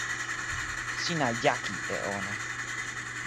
sina jaki e ona.